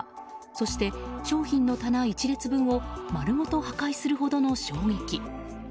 そして、商品の棚１列分を丸ごと破壊するほどの衝撃。